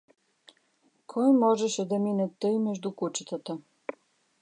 Кой можеше да мине тъй между кучетата?